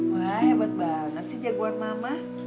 wah hebat banget sih jagoan mama